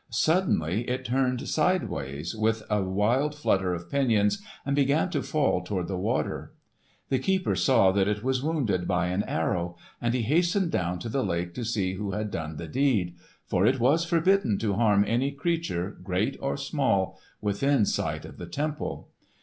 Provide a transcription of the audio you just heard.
Suddenly it turned sidewise with a wild flutter of pinions and began to fall toward the water. The keeper saw that it was wounded by an arrow, and he hastened down to the lake to see who had done the deed; for it was forbidden to harm any creature, great or small, within sight of the temple.